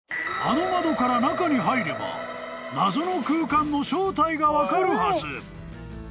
［あの窓から中に入れば謎の空間の正体が分かるはず］